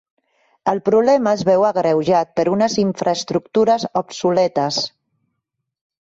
El problema es veu agreujat per unes infraestructures obsoletes.